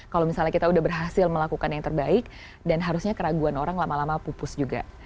kalau misalnya kita udah berhasil melakukan yang terbaik dan harusnya keraguan orang lama lama pupus juga